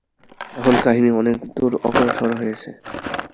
এখন কাহিনী অনেক দূর অগ্রসর হয়েছে।